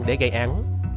để gây án